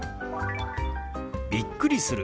「びっくりする」。